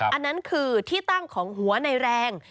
อันนั้นคือที่ตั้งของหัวในแรง